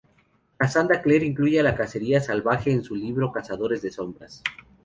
Cassandra Clare incluye a la cacería salvaje en su libro Cazadores de sombras.